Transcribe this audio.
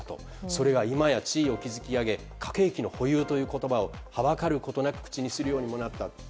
それが今や地位を築き上げ核兵器の保有という言葉をはばかることなく口にするようにもなったと。